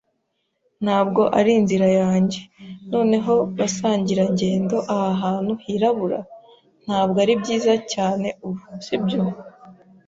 Ntabwo ari inzira yanjye. Noneho, basangirangendo, aha hantu hirabura? 'Ntabwo ari byiza cyane ubu, si byo?